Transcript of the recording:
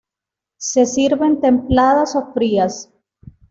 Se sirven templadas o frías.